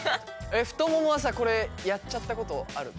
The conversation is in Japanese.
ふとももはさこれやっちゃったことあるの？